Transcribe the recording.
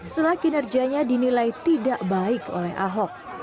setelah kinerjanya dinilai tidak baik oleh ahok